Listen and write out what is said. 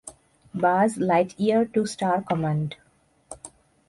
বায Lightyear to star command.